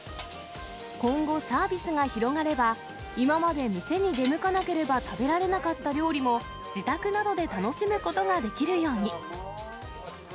今後、サービスが広がれば、今まで店に出向かなければ食べられなかった料理も、自宅などで楽しむことができるように。